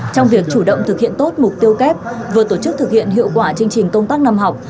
trong việc chủ động thực hiện tốt mục tiêu kép vừa tổ chức thực hiện hiệu quả chương trình công tác năm học